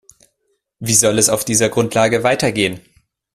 Wie soll es auf dieser Grundlage weitergehen?